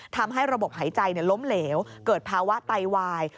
ทำให้ระบบหายใจล้มเหลวเกิดภาวะไตวาย